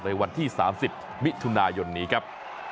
วันที่๓๐มิถุนายนนี้ครับ